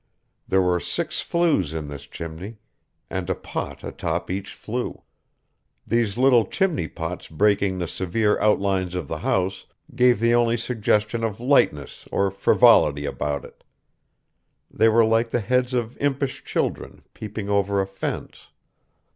There were six flues in this chimney, and a pot atop each flue. These little chimney pots breaking the severe outlines of the house, gave the only suggestion of lightness or frivolity about it. They were like the heads of impish children, peeping over a fence....